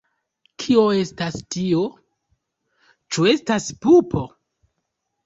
Kio estas tio? Ĉu estas pupo?